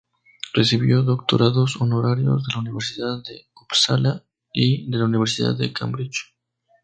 Recibió doctorados honorarios de la Universidad de Upsala y de la Universidad de Cambridge.